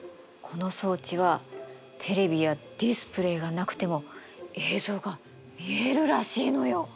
この装置はテレビやディスプレイがなくても映像が見えるらしいのよ。